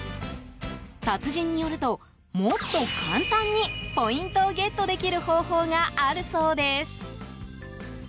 達人によると、もっと簡単にポイントをゲットできる方法があるそうです。